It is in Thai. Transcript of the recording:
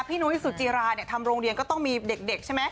นุ้ยสุจิราเนี่ยทำโรงเรียนก็ต้องมีเด็กใช่ไหม